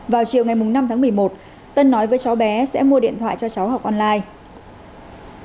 vào chiều ngày năm tháng một mươi một tân nói với cháu bé sẽ mua điện thoại cho cháu học online